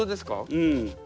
うん。